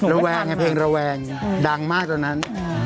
ระแวงไงเพลงระแวงดังมากตอนนั้น